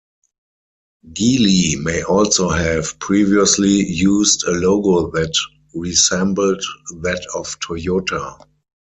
Geely may also have previously used a logo that resembled that of Toyota.